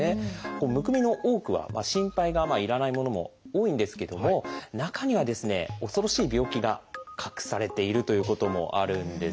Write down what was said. むくみの多くは心配が要らないものも多いんですけども中には恐ろしい病気が隠されているということもあるんです。